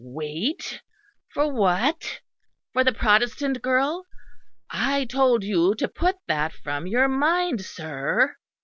Wait? For what? For the Protestant girl? I told you to put that from your mind, sir."